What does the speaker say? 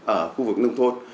ở khu vực nông thuận